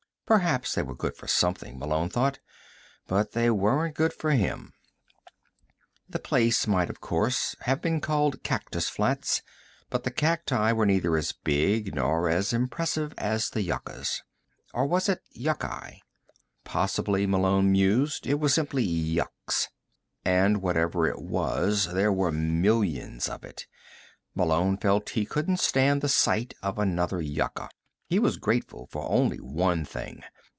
Perhaps they were good for something, Malone thought, but they weren't good for him. The place might, of course, have been called Cactus Flats, but the cacti were neither as big nor as impressive as the yuccas. [Illustration: "I knight thee Sir Andrew...."] Or was that yucci? Possibly, Malone mused, it was simply yucks. And whatever it was, there were millions of it. Malone felt he couldn't stand the sight of another yucca. He was grateful for only one thing.